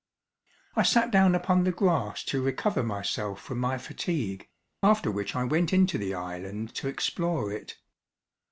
I sat down upon the grass to recover myself from my fatigue, after which I went into the island to explore it.